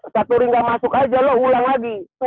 satu ring gak masuk aja lo ulang lagi